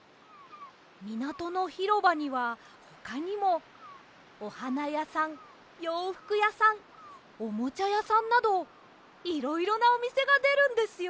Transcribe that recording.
みなとのひろばにはほかにもおはなやさんようふくやさんおもちゃやさんなどいろいろなおみせがでるんですよ。